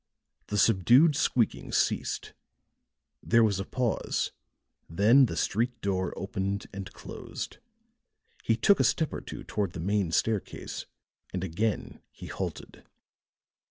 The subdued squeaking ceased, there was a pause, then the street door opened and closed. He took a step or two toward the main staircase, and again he halted.